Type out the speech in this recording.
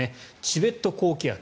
チベット高気圧。